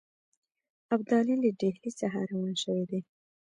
ابدالي له ډهلي څخه روان شوی دی.